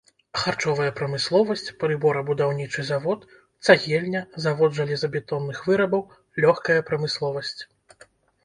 Харчовая прамысловасць, прыборабудаўнічы завод, цагельня, завод жалезабетонных вырабаў, лёгкая прамысловасць.